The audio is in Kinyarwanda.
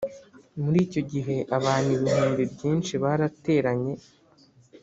Muri icyo gihe abantu ibihumbi byinshi barateranye.